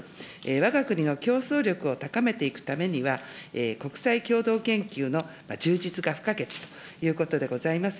わが国の競争力を高めていくためには、国際共同研究の充実が不可欠ということでございます。